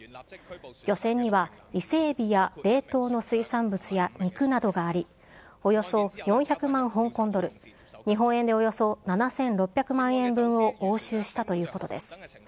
漁船には伊勢エビや冷凍の水産物や肉などがあり、およそ４００万香港ドル、日本円でおよそ７６００万円分を押収したということです。